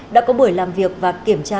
đã có buổi làm việc và kiểm tra